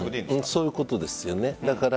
そういうことです。